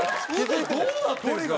どうなってるんですか？